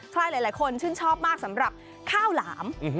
ใครหลายคนชื่นชอบมากสำหรับข้าวหลาม